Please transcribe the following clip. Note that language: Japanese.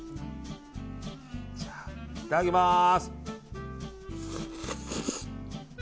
じゃあ、いただきまーす。